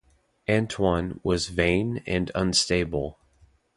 Antoine was vain and unstable.